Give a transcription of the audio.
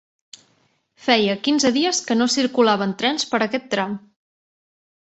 Feia quinze dies que no circulaven trens per aquest tram